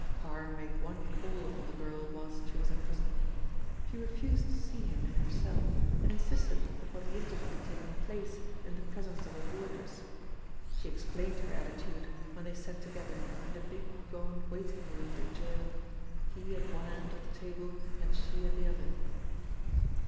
Parr made one call upon the girl whilst she was in prison. She refused to see him in her cell, and insisted upon the interview taking place in the presence of a wardress. She explained her attitude when they sat together in the big gaunt waiting room of the gaol, he at one end of the table and she at the other.